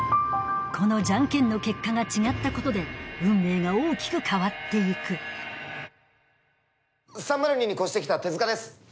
このジャンケンの結果が違ったことで運命が大きく変わって行く３０２に越して来た手塚です。